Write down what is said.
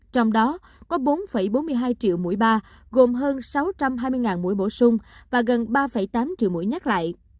trong đó có bốn bốn mươi hai triệu mũi ba gồm hơn sáu trăm hai mươi mũi bổ sung và gần ba tám triệu mũi nhắc lại